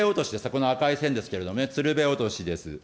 この赤い線ですけれども、つるべ落としです。